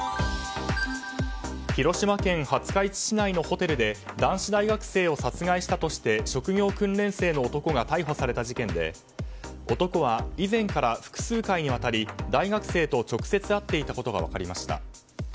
広島県廿日市市内のホテルで男子大学生を殺害したとして職業訓練生の男が逮捕された事件で男は以前から複数回にわたり大学生と直接会っていたことが分かりました。